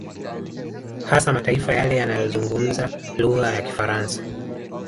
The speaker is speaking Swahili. Hasa mataifa yale yanayozungumza lugha ya Kifaransa